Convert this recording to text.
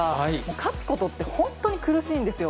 勝つことって本当に苦しいんですよ。